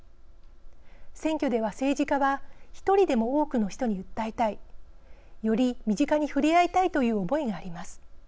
選挙では政治家は一人でも多くの人に訴えたいより身近にふれあいたいという思いがあります。